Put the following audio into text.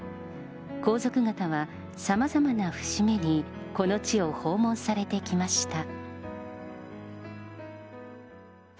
皇族方はさまざまな節目に、この地を訪問されてきました。